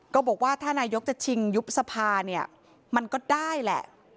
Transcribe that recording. ก็บอกว่าถ้านายกจะชิงยุบสภาเนี่ยมันก็ได้แหละ